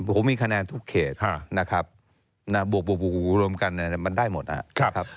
ผมมีคะแนนทุกเขตนะครับบวกรวมกันมันได้หมดนะครับ